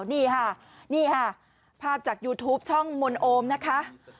นี่ค่ะภาพจากยูทูปช่องมนโอมนะคะ